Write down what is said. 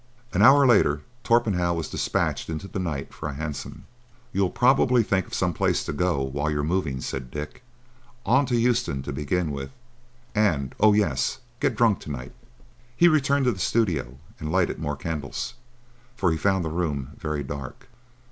An hour later Torpenhow was despatched into the night for a hansom. "You'll probably think of some place to go to while you're moving," said Dick. "On to Euston, to begin with, and—oh yes—get drunk to night." He returned to the studio, and lighted more candles, for he found the room very dark.